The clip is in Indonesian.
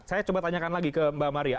saya coba tanyakan lagi ke mbak maria